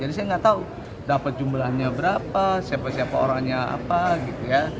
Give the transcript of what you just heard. jadi saya gak tau dapet jumlahnya berapa siapa siapa orangnya apa gitu ya